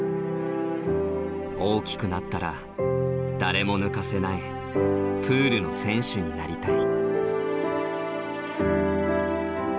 「おおきくなったらだれもぬかせないプールのせんしゅになりたい」。